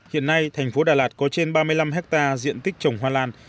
hiện nay thành phố đà lạt có trên ba mươi năm hectare diện tích trồng hoa lan